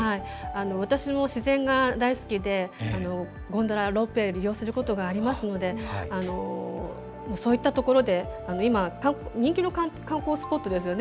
私も自然が大好きでゴンドラ、ロープウェーを利用することがありますのでそういったところで今、人気の観光スポットですよね。